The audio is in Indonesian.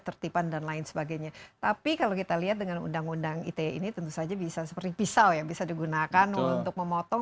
tertipan dan lain sebagainya tapi kalau kita lihat dengan undang undang ite ini tentu saja bisa seperti pisau yang bisa digunakan untuk memotong